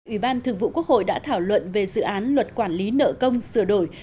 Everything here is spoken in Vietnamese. ủy ban thường vụ quốc hội đã thảo luận về dự án luật quản lý nợ công sửa đổi